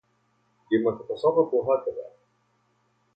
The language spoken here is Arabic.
لما تتصرف هكذا؟